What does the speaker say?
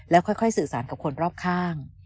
ค่อยสื่อสารกับคนรอบข้าง